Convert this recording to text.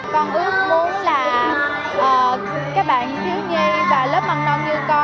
con ước muốn là các bạn thiếu nhi và lớp măng non như con